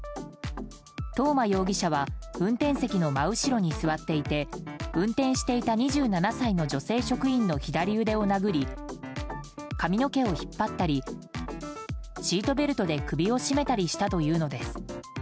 東間容疑者は運転席の真後ろに座っていて運転していた２７歳の女性職員の左腕を殴り髪の毛を引っ張ったりシートベルトで首を絞めたりしたというのです。